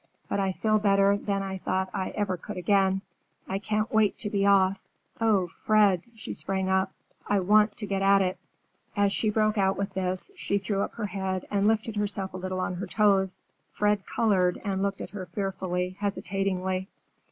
But I feel better than I thought I ever could again. I can't wait to be off. Oh, Fred," she sprang up, "I want to get at it!" As she broke out with this, she threw up her head and lifted herself a little on her toes. Fred colored and looked at her fearfully, hesitatingly.